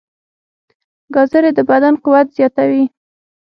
ګازرې د بدن قوت زیاتوي.